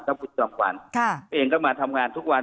คุณจอมขวัญเองก็มาทำงานทุกวัน